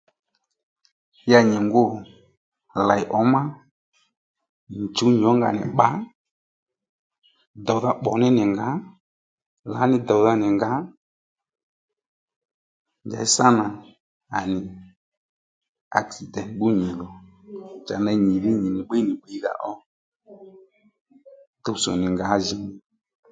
Ya nyì ngu lèy ǒmá nyì chuw nyì ónga nì bba dòwdha bbò ní nì nì ngǎ lǎní dòwdha nì ngǎ njàddí sâ nà ànì aksidènt bbu nyì dho cha ney nyìdhí nyi nì bbiy nì bbiydha ó tuwtsò nì ngǎjìní